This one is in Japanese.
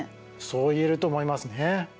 そう言えると思いますね。